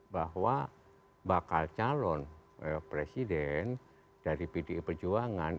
bahwa bakal calon presiden dari pdi perjuangan